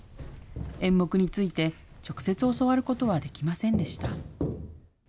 演目について、直接教わることはできませんでした。